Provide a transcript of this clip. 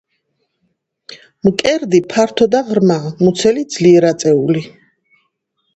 მკერდი ფართო და ღრმაა; მუცელი ძლიერ აწეული.